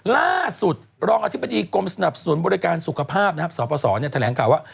ล่าสุดรองอธิบดีกรมสนับสนบริการสุขภาพสปศแถลงกล่าวว่า